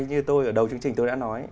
như tôi ở đầu chương trình tôi đã nói